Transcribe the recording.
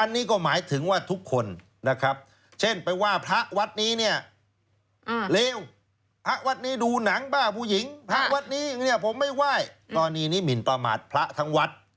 อันนี้ก็หมายถึงว่าทุกคนนะครับเช่นไปว่าพระวัดนี้เนี่ยเลวพระวัดนี้ดูหนังบ้าผู้หญิงพระวัดนี้เนี่ยผมไม่ไหว้กรณีนี้หมินประมาทพระทั้งวัด